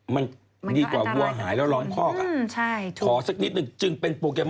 มันดีกว่าว้วหายแล้วร้องพอก